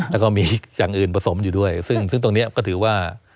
แล้วก็มีอย่างอื่นผสมอยู่ด้วยซึ่งตรงนี้ก็ถือว่า